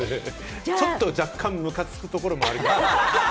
ちょっと若干、むかつくところもありますけれども。